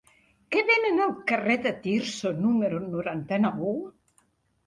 Què venen al carrer de Tirso número noranta-nou?